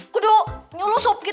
kuduk nyulusup gitu